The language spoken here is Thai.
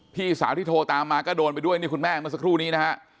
พี่สาวที่โทรตามมาก็โดนไปด้วยนี่คุณแม่เมื่อสักครู่นี้นะฮะ